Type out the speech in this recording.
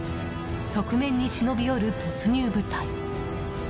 側面に忍び寄る突入部隊。